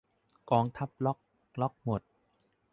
กองทัพล็อค ล็อคหมด